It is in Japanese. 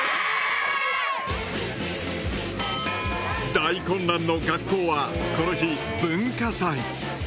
大混乱の学校はこの日文化祭。